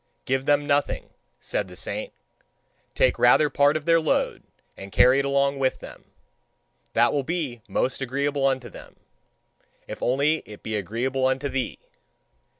"Give them nothing," said the saint. "Take rather part of their load, and carry it along with them that will be most agreeable unto them: if only it be agreeable unto thee!